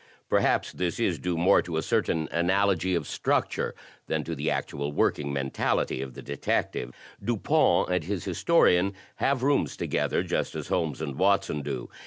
Perhaps this is due more to a certain analogy of structure than to the actual working mentality of the detective. Dupin and his historian have rooms together, just as Holmes and Watson do.